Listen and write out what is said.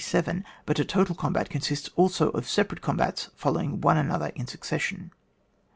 But a total combat consists also of separate combats following one another in succession.